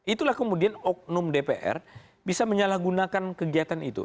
itulah kemudian oknum dpr bisa menyalahgunakan kegiatan itu